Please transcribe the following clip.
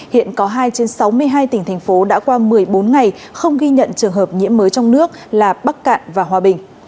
hiện có hai trên sáu mươi hai tỉnh thành phố đã qua một mươi bốn ngày không ghi nhận trường hợp nhiễm mới trong nước là bắc cạn và hòa bình